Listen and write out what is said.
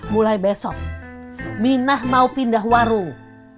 mulai besok minah mau pindah warung